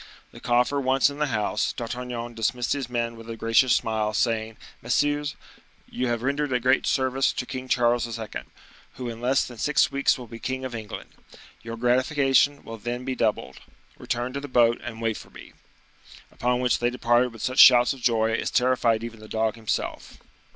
The coffer once in the house, D'Artagnan dismissed his men with a gracious smile, saying, "Messieurs, you have rendered a great service to King Charles II., who in less than six weeks will be king of England. Your gratification will then be doubled. Return to the boat and wait for me." Upon which they departed with such shouts of joy as terrified even the dog himself.